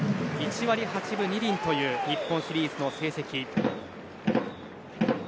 １割８分２厘という日本シリーズの成績。